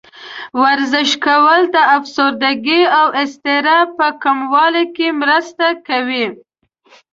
ورزش کول د افسردګۍ او اضطراب په کمولو کې مرسته کوي.